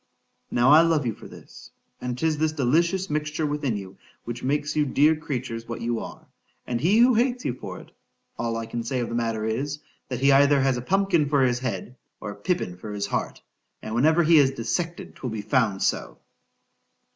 Now I love you for this—and 'tis this delicious mixture within you which makes you dear creatures what you are—and he who hates you for it——all I can say of the matter is—That he has either a pumpkin for his head—or a pippin for his heart,—and whenever he is dissected 'twill be found so.